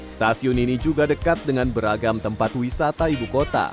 stasiun ini juga dekat dengan beragam tempat wisata ibu kota